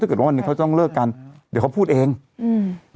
ถ้าเกิดว่าวันนี้เขาจะต้องเลิกกันเดี๋ยวเขาพูดเองอืม